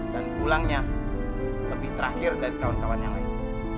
dan pulangnya lebih terakhir dari kawan kawan yang lain